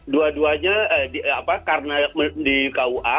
dua duanya karena di kua